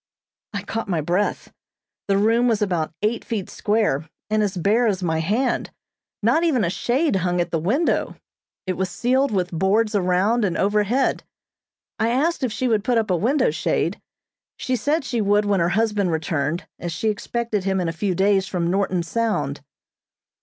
I caught my breath. The room was about eight feet square, and as bare as my hand. Not even a shade hung at the window. It was ceiled with boards around and overhead. I asked if she would put up a window shade. She said she would when her husband returned, as she expected him in a few days from Norton Sound.